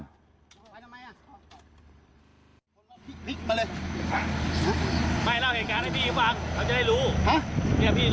ไปเล่าเหตุการณ์ให้พี่ฟังเราจะได้รู้